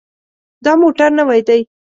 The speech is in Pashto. دا موټر نوی دی.